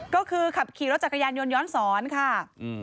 ก็คือขับขี่รถจักรยานยนต์ย้อนสอนค่ะ